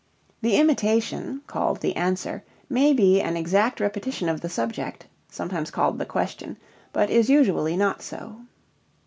The imitation (called "the answer") may be an exact repetition of the subject (sometimes called "the question"), but is usually not so.